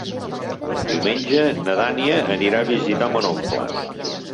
Diumenge na Dàlia anirà a visitar mon oncle.